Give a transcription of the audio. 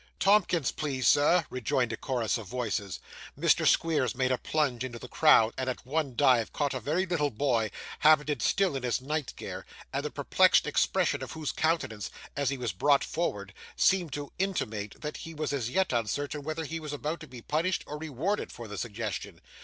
'Tomkins, please sir,' rejoined a chorus of voices. Mr. Squeers made a plunge into the crowd, and at one dive, caught a very little boy, habited still in his night gear, and the perplexed expression of whose countenance, as he was brought forward, seemed to intimate that he was as yet uncertain whether he was about to be punished or rewarded for the suggestion.